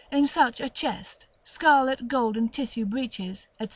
in such a chest, scarlet golden tissue breeches, &c.